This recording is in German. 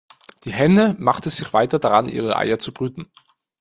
Die Henne machte sich weiter daran, ihre Eier zu brüten.